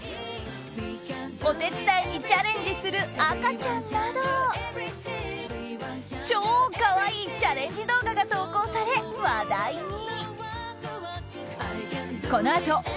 お手伝いにチャレンジする赤ちゃんなど超可愛いチャレンジ動画が投稿され話題に。